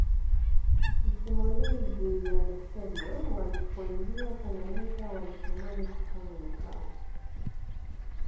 Masimulizi yanasema walipoingia Tanganyika walitamani kufanya makao